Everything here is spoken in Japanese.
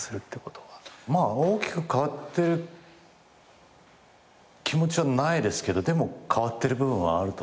大きく変わってる気持ちはないですけどでも変わってる部分はあると思います。